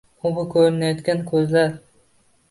U bu ko’rinayotgan ko’zlar.